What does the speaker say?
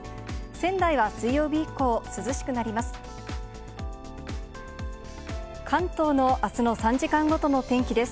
仙台は水曜日以降、涼しくなります。